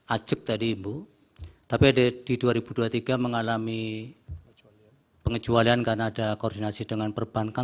ajek tadi ibu tapi ada di dua ribu dua puluh tiga mengalami pengecualian karena ada koordinasi dengan perbankan